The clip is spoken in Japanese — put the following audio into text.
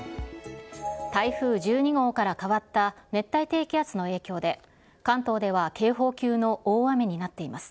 台風１２号から変わった熱帯低気圧の影響で、関東では警報級の大雨になっています。